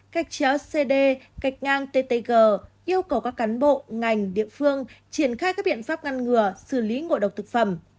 cách chéo cd cách ngang ttg yêu cầu các cán bộ ngành địa phương triển khai các biện pháp ngăn ngừa xử lý ngội độc thực phẩm